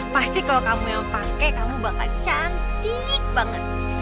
pasti kalau kamu yang pakai kamu bakal cantik banget